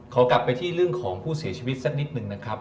ขอกลับไปที่เรื่องของผู้เสียชีวิตสักนิดหนึ่งนะครับ